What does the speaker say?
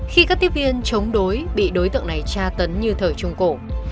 khi các tiếp viên chống đối bị đối tượng này tra tấn như thời trung cổ